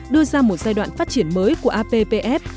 đưa ra một giai đoạn phát triển mới của appf